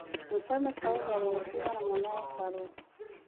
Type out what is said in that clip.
mfalme faund alirithiwa na mwanae farouk